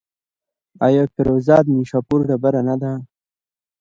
آیا فیروزه د نیشاپور ډبره نه ده؟